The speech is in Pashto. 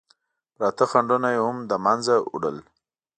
پراته خنډونه یې هم له منځه وړل.